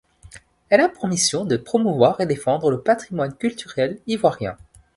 Elle a pour mission de promouvoir et défendre le patrimoine culturel ivoirien.